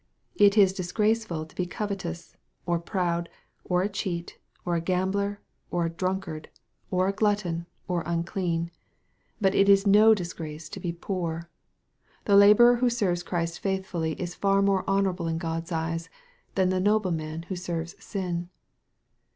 It is disgraceful to be covetous, or proud, or a cheat, or a gambler, or a drunkard, or a glutton, 1* 10 EXPOSITORY THOUGHTS. or unclean. But it is no disgrace to be poor. The laborei who serves Christ faithfully is far more honorable ic God's eyes, than the nobleman who serves sin.